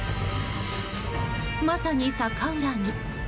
まさに逆恨み。